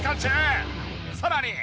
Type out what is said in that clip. さらに。